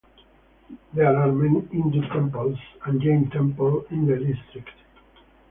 There are many Hindu temples and Jain Temple in the district.